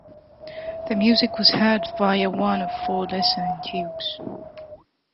The music was heard via one of four listening tubes.